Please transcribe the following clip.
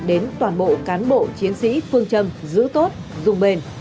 đến toàn bộ cán bộ chiến sĩ phương châm giữ tốt dùng bền